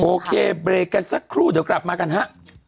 โอเคเบรกกันสักครู่เดี๋ยวกลับมากันฮะ